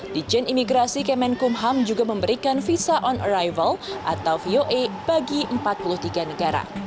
dijen imigrasi kemenkumham juga memberikan visa on arrival atau voa bagi empat puluh tiga negara